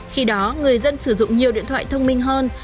khi đó người dân sử dụng nhiều điện thoại thông minh hơn